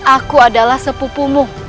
aku adalah sepupumu